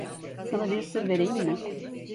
Sana bir sır vereyim mi?